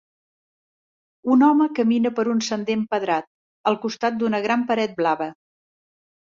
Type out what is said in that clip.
Un home camina per un sender empedrat, al costat d'una gran paret blava.